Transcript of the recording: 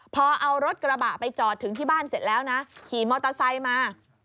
พอเอารถกระบะไปจอดถึงที่บ้านเสร็จแล้วนะขี่มอเตอร์ไซค์มา